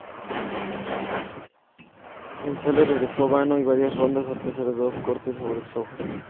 González regresó y ganó varias rondas, a pesar de dos cortes sobre sus ojos.